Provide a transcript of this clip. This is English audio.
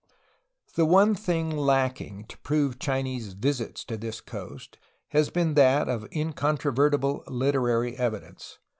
The one thing lacking to prove Chinese visits to this coast has been that of incontrovertible literary evidence.